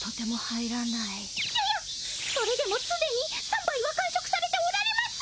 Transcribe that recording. ややっそれでもすでに３ばいは完食されておられます！